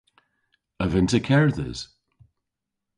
A vynn'ta kerdhes?